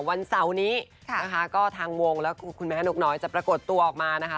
วันเสาร์นี้นะคะก็ทางวงและคุณแม่นกน้อยจะปรากฏตัวออกมานะคะ